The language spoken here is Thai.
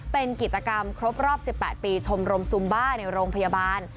เป็นกิจกรรมครบรอบ๑๘ปีชมรมซุมบ้าในโรงพยาบาล